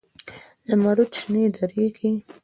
زمرودو شنې درې کې